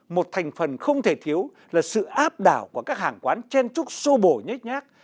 một thành phần không thể thiếu là sự áp đảo của các hàng quán chen trúc sô bổ nhét nhác